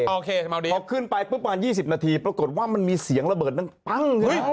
โอเคพอขึ้นไปปุ๊บประมาณ๒๐นาทีปรากฏว่ามันมีเสียงระเบิดดังปั้ง